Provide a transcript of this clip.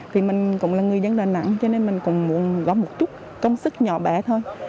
thì mình cũng là người dân đà nẵng cho nên mình cũng muốn góp một chút công sức nhỏ bé thôi